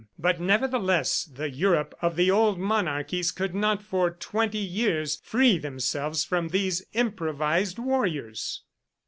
... But, nevertheless, the Europe of the old monarchies could not for twenty years free themselves from these improvised warriors!"